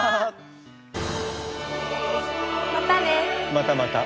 またまた。